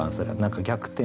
逆転